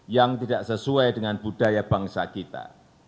yang tidak sesuai dengan budaya bangsa kita